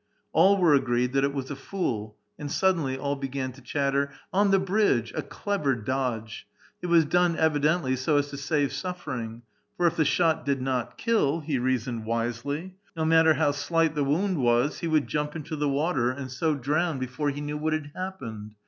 All were agreed that it was a fool (durdk) , and suddenly all began to chatter, "On the bridge, a clever dodge! It was done evidently so as to save suffering ; for if the shot did not kill, — he reasoned wisely, — no matter how slight the wound was y he would jump into the water, and^sq drowA 4 A VITAL QUESTION. before he knew what had happened.